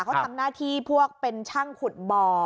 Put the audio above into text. เขาทำหน้าที่พวกเป็นช่างขุดบ่อ